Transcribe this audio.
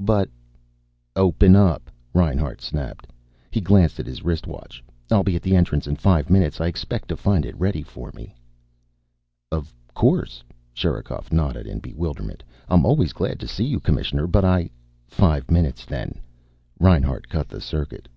But " "Open up!" Reinhart snapped. He glanced at his wristwatch. "I'll be at the entrance in five minutes. I expect to find it ready for me." "Of course." Sherikov nodded in bewilderment. "I'm always glad to see you, Commissioner. But I " "Five minutes, then." Reinhart cut the circuit.